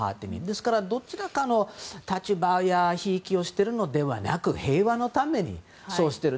ですから、どちらかの立場やひいきをしているのではなく平和のためにそうしている。